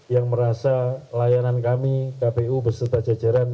yang merasa layanan kami kpu beserta jajaran